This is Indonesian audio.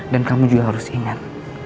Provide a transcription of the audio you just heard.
dan kamu juga harus ingat